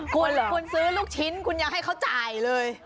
คุณคุณซื้อลูกชิ้นคุณยังให้เขาจ่ายเลย